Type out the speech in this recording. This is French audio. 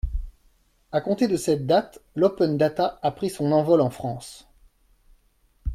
À compter de cette date, l’open data a pris son envol en France.